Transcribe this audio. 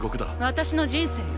私の人生よ